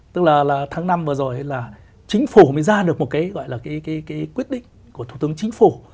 tức là tháng năm vừa rồi là chính phủ mới ra được một cái gọi là cái quyết định của thủ tướng chính phủ